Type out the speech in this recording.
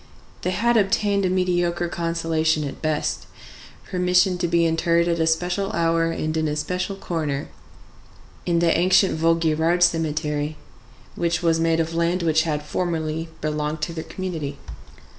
They had obtained a mediocre consolation at best,—permission to be interred at a special hour and in a special corner in the ancient Vaugirard cemetery, which was made of land which had formerly belonged to their community.